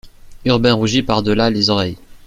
Urbain rougit par delà les oreilles.